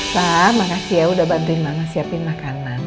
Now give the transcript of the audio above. sah makasih ya udah bantuin mama siapin makanan